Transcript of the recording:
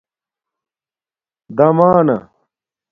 دَمانہ